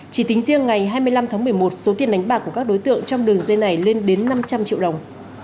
chỉ tính riêng ngày hai mươi năm tháng một mươi một số tiền đánh bạc của các đối tượng trong đường dây này lên đến năm trăm linh triệu đồng